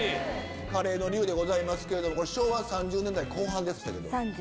「カレーの龍」でございますけども昭和３０年代後半？